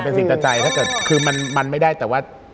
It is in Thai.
เป็นสิ่งตัดใจถ้าเกิดคือมันไม่ได้แต่ว่า